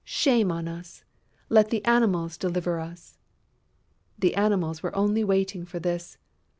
"Shame on us! Let the Animals deliver us!..." The Animals were only waiting for this!